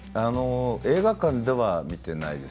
映画館では見ていないです